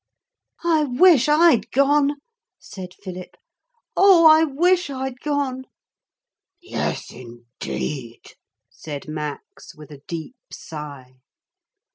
'I wish I'd gone,' said Philip. 'Oh, I wish I'd gone.' 'Yes, indeed,' said Max, with a deep sigh.